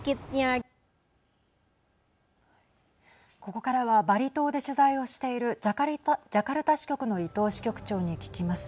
ここからはバリ島で取材をしているジャカルタ支局の伊藤支局長に聞きます。